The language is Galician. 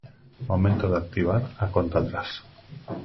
Momento de activar a conta atrás.